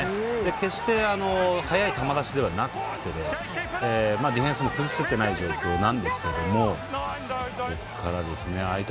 決して、早い球出しではなくてディフェンスも崩せていない状況なんですけど空いた